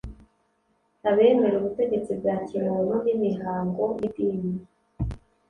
Abemera ubutegetsi bwa kimuntu n'imihango y'idini